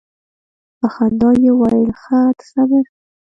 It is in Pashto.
په خندا یې وویل ښه ته صبر.